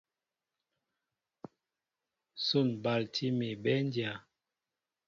Son balti mi béndya.